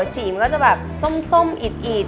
สีมันก็จะแบบส้มอิด